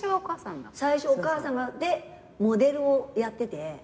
最初お母さんでモデルをやってて。